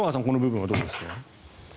この部分はどうですか。